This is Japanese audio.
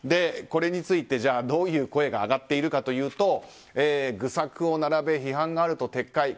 これについてどういう声が上がっているかというと愚策を並べ批判があると撤回。